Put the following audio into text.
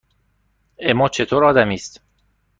اِما چطور آدمی است؟